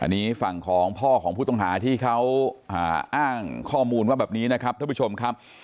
อันนี้ฝั่งของพ่อของผู้ต้องหาที่เขาอ้างข้อมูลว่าแบบนี้นะครับท่านผู้ชมครับ